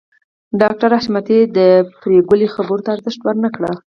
ډاکټر حشمتي د پريګلې خبرو ته ارزښت ورنکړ